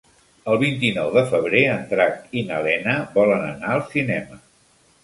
El vint-i-nou de febrer en Drac i na Lena volen anar al cinema.